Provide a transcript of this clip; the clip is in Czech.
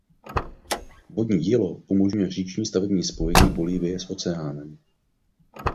Vodní dílo umožňuje říční plavební spojení Bolívie s oceánem.